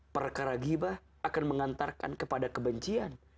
perkara gibah akan mengantarkan kepada kebencian